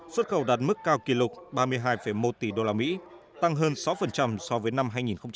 xuất khẩu đạt mức cao kỷ lục ba mươi hai một tỷ usd tăng hơn sáu so với năm hai nghìn một mươi tám